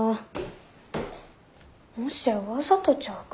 もしやわざとちゃうか？